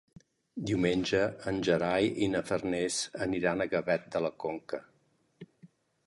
Diumenge en Gerai i na Farners aniran a Gavet de la Conca.